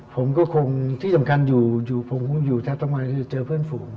ผมก็คงที่สำคัญอยู่ผมคงอยู่ทัศน์ธรรมันคือเจอเพื่อนฝูง